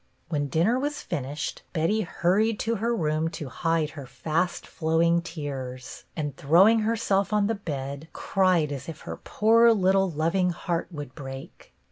When dinner was finished Betty hurried to her room to hide her fast flowing tears, and, throwing herself on the bed, cried as if her poor little loving heart would break.